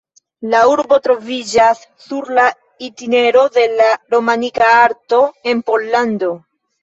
La urbo troviĝas sur la itinero de la romanika arto en Pollando.